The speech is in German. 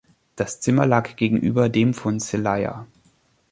Das Zimmer lag gegenüber dem von Celia.